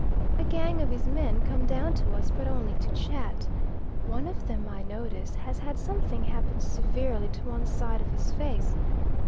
A gang of his men come down to us, but only to chat. One of them, I notice, has had something happen severely to one side of his face.